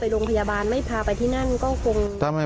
พระเจ้าอาวาสกันหน่อยนะครับ